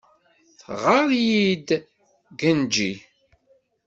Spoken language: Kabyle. Teɣɣar-iyi-d Kenji.